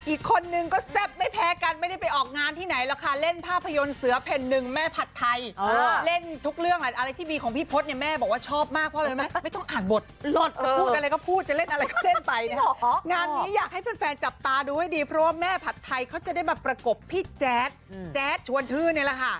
อีกคนนึงก็แซ่บไม่แพ้กันไม่ได้ไปออกงานที่ไหนหรอกค่ะเล่นภาพยนตร์เสือแผ่นหนึ่งแม่ผัดไทยเล่นทุกเรื่องอะไรที่มีของพี่พศเนี่ยแม่บอกว่าชอบมากเพราะอะไรรู้ไหมไม่ต้องอ่านบทหลอดจะพูดอะไรก็พูดจะเล่นอะไรก็เล่นไปเนี่ยงานนี้อยากให้แฟนจับตาดูให้ดีเพราะว่าแม่ผัดไทยเขาจะได้มาประกบพี่แจ๊ดแจ๊ดชวนชื่นนี่แหละค่ะ